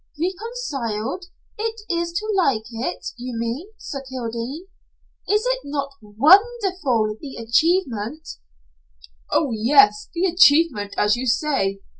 "Reconciled? It is to like it, you mean Sir Kildene? Is it not won n derful the achievement?" "Oh, yes, the achievement, as you say.